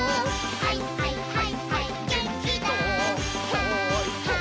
「はいはいはいはいマン」